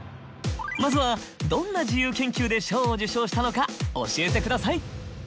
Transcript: まずはどんな自由研究で賞を受賞したのか教えて下さい。